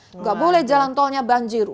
tidak boleh jalan tolnya banjir